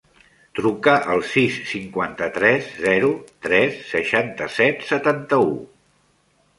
Truca al sis, cinquanta-tres, zero, tres, seixanta-set, setanta-u.